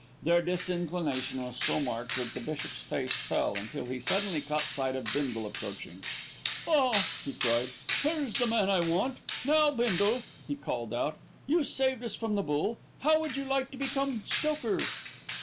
Their disinclination was so marked that the bishop's face fell, until he suddenly caught sight of Bindle approaching. "Ah!" he cried. "Here's the man I want. Now, Bindle," he called out, "you saved us from the bull, how would you like to become stoker?"